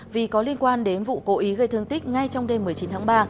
vì có liên quan đến vụ cố ý gây thương tích ngay trong đêm một mươi chín tháng ba